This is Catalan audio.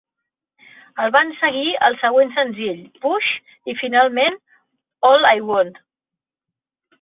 El van seguir el següent senzill "Push" i, finalment, "All I Want".